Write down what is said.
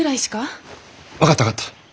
分かった分かった。